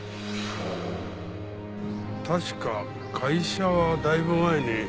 確か会社はだいぶ前に。